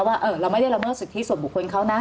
ว่าเราไม่ได้ละเมิดสิทธิส่วนบุคคลเขานะ